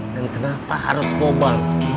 dan kenapa harus gopang